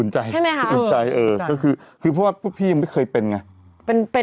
นี่เนี่ยอุ่นใจอุนใจว่าพวกพี่ยังไม่เคยเป็นไง